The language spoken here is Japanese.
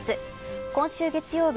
今週月曜日